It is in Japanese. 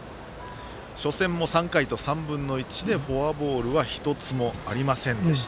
初戦も３回と３分の１でフォアボールは１つもありませんでした。